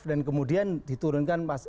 dan kemudian diturunkan